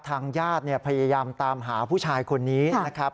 ทางญาติพยายามตามหาผู้ชายคนนี้นะครับ